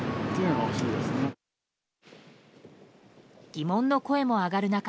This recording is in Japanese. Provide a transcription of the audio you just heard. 疑問の声も上がる中